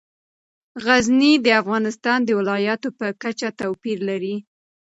غزني د افغانستان د ولایاتو په کچه توپیر لري.